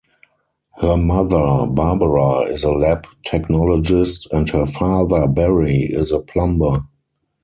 Her mother, Barbara, is a lab technologist and her father, Barry, is a plumber.